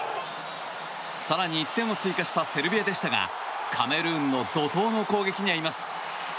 更に１点を追加したセルビアでしたがカメルーンの怒涛の攻撃にあいます。